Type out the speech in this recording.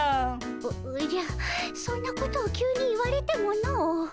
おおじゃそんなことを急に言われてもの。